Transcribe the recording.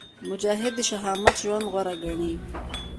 مجاهد د شهامت ژوند غوره ګڼي.